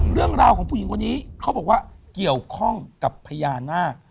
เรื่องราวของผู้หญิงคนนี้เขาบอกว่าเกี่ยวข้องกับพญานาค